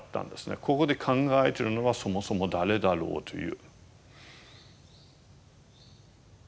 ここで考えてるのはそもそも誰だろうという。